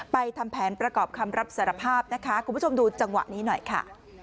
ทำแผนประกอบคำรับสารภาพนะคะคุณผู้ชมดูจังหวะนี้หน่อยค่ะ